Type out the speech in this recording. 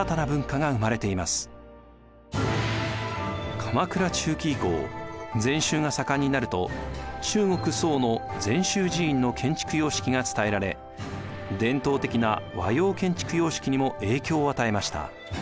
鎌倉中期以降禅宗が盛んになると中国・宋の禅宗寺院の建築様式が伝えられ伝統的な和様建築様式にも影響を与えました。